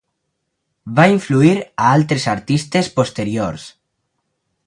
Va influir a altres artistes posteriors.